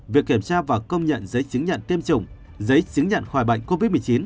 việc kiểm tra và công nhận giấy chứng nhận tiêm chủng giấy chứng nhận khỏi bệnh covid một mươi chín